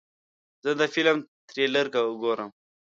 زه د فلم تریلر ګورم.